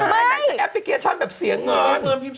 อันนั้นคือแอปพลิเคชันแบบเสียเงิน